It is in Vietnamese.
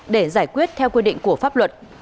để giải quyết theo quy định của pháp luật